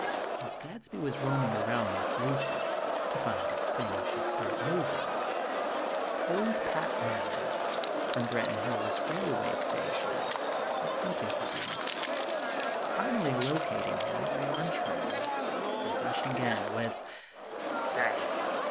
As Gadsby was roaming around with Lucy, to find if things should start moving, old Pat Ryan, from Branton Hills' railway station, was hunting for him; finally locating him in a lunch room, and rushing in with: "Say!